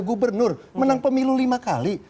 gubernur menang pemilu lima kali